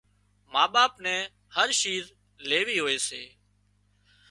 ما ٻاپ نين هر شيز ليوي هوئي سي